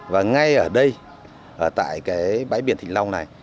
và ngay ở đây tại cái bãi biển thịnh long này